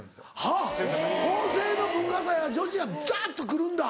あっ法政の文化祭は女子がダっと来るんだ。